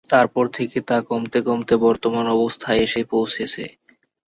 তারপর থেকে তা কমতে কমতে বর্তমান অবস্থায় এসে পৌঁছেছে।